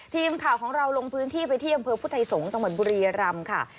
ทีมข่าวของเราลงพื้นที่ไปที่อำเภอพุทธไทยสงฆ์จังหวัดบุรียรำค่ะ